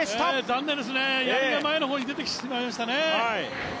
残念ですね、やりが前の方に出てきてしまいましたね。